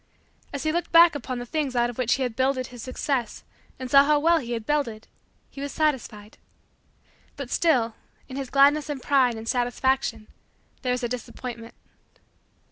As he looked back upon the things out of which he had builded his Success and saw how well he had builded, he was satisfied. But still in his gladness and pride and satisfaction there was a disappointment.